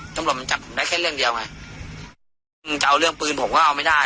ตำรวจมันจับได้แค่เรื่องเดียวไงมึงจะเอาเรื่องปืนผมก็เอาไม่ได้